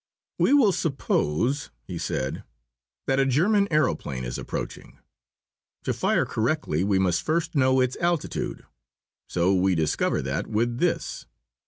"We will suppose," he said, "that a German aëroplane is approaching. To fire correctly we must first know its altitude. So we discover that with this."